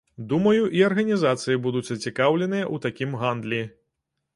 Думаю, і арганізацыі будуць зацікаўленыя ў такім гандлі.